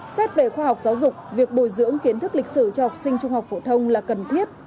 xét về khoa học giáo dục việc bồi dưỡng kiến thức lịch sử cho học sinh trung học phổ thông là cần thiết